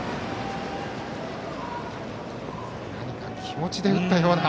何か気持ちで打ったような。